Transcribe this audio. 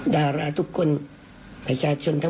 ดาราทุกคน